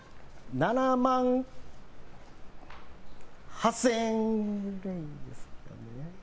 ７万８０００円ぐらいですかね。